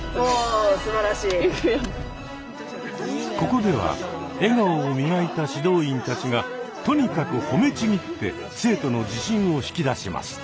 ここでは笑顔を磨いた指導員たちがとにかくほめちぎって生徒の自信を引き出します。